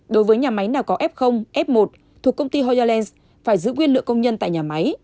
đối với nhà máy nào có f f một thuộc công ty hoyalland phải giữ nguyên lượng công nhân tại nhà máy